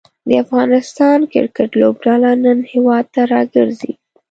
د افغانستان کریکټ لوبډله نن هیواد ته راګرځي.